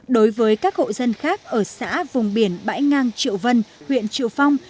đối với các hộ dân khác ở xã vùng biển bãi ngang triệu vân huyện triệu phong